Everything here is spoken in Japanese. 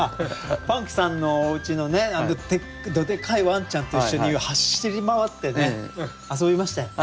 パンクさんのおうちのどでかいワンちゃんと一緒に走り回ってね遊びましたよね。